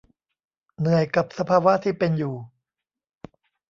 เหนื่อยกับสภาวะที่เป็นอยู่